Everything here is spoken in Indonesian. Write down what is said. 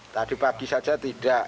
tadi pagi saja tidak